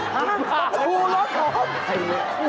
ถ้้ามีบัตรูหูลดของผม